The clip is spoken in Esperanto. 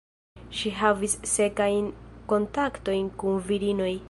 Ŝi havis seksajn kontaktojn kun virinoj.